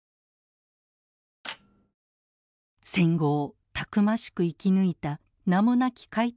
戦後をたくましく生き抜いた名もなき開拓